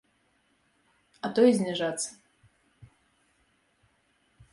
А то і зніжацца.